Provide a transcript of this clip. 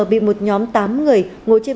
bị một nhóm tám người ngồi trên